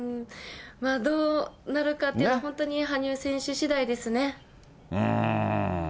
どうなるかというのは、本当に羽生選手しだいですね。